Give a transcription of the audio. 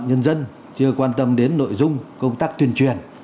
nhân dân chưa quan tâm đến nội dung công tác tuyên truyền